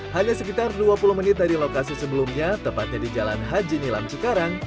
hanya sekitar dua puluh menit dari lokasi sebelumnya tepatnya di jalan haji nilam cikarang